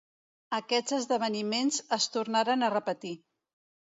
Aquests esdeveniments es tornaren a repetir.